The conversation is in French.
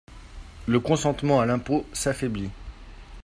Le consentement à l’impôt s’affaiblit.